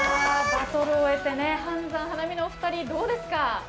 バトルを終えて飯山花笑みのお二人どうでしたか。